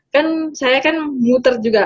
kan saya kan muter juga